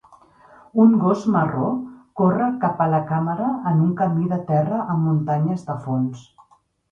Un gos marró corre cap a la càmera en un camí de terra amb muntanyes de fons.